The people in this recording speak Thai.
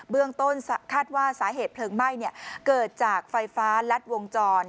เรื่องต้นคาดว่าสาเหตุเพลิงไหม้เกิดจากไฟฟ้ารัดวงจร